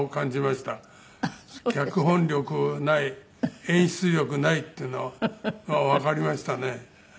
脚本力ない演出力ないっていうのがわかりましたね。